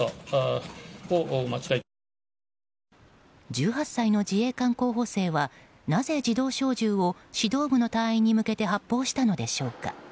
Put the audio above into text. １８歳の自衛官候補生はなぜ、自動小銃を指導部の隊員に向けて発砲したのでしょうか。